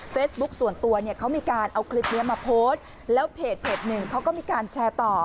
ส่วนตัวเนี่ยเขามีการเอาคลิปนี้มาโพสต์แล้วเพจหนึ่งเขาก็มีการแชร์ต่อ